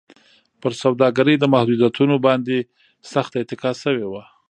پر سوداګرۍ د محدودیتونو باندې سخته اتکا شوې وه.